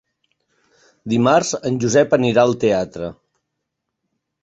Dimarts en Josep anirà al teatre.